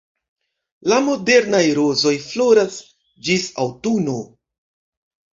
La modernaj rozoj floras ĝis aŭtuno.